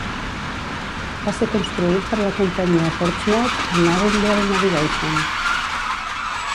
Va ser construït per la companyia Portsmouth and Arundel Navigation.